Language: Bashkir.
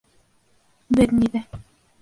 Бер ни ҙә.